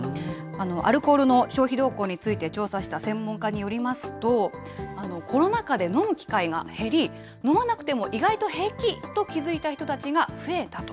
アルコールの消費動向について調査した専門家によりますと、コロナ禍で飲む機会が減り、飲まなくても意外と平気と気付いた人たちが増えたと。